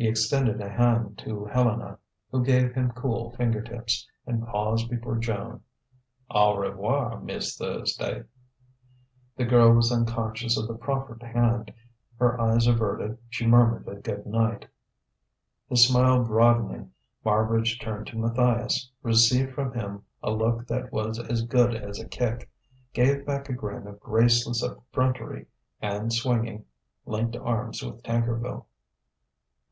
He extended a hand to Helena who gave him cool fingertips and paused before Joan. "Au revoir, Miss Thursday...." The girl was unconscious of the proffered hand. Her eyes averted, she murmured a good night. His smile broadening, Marbridge turned to Matthias; received from him a look that was as good as a kick, gave back a grin of graceless effrontery; and swinging, linked arms with Tankerville.